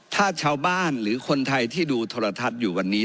ถ้าชาวบ้านหรือคนไทยที่ดูโทรทัศน์อยู่วันนี้